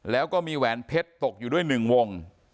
แล้วก็มีแหวนเพชรตกอยู่ด้วย๑วง